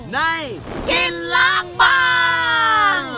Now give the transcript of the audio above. ในกินล้างบาง